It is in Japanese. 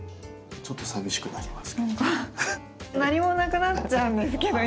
ちょっと寂しくなりますけど。